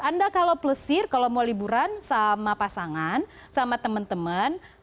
anda kalau plesir kalau mau liburan sama pasangan sama teman teman